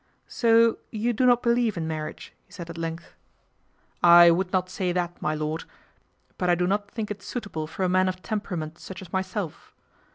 " So you do not believe in marriage," he said at length. " I would not say that, my lord ; but I do not think it suitable for a man of temperament such as myself.